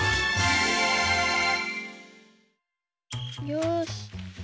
よし。